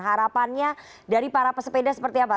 harapannya dari para pesepeda seperti apa